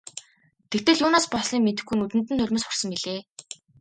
Тэгтэл юунаас болсныг мэдэхгүй нүдэнд нь нулимс хурсан билээ.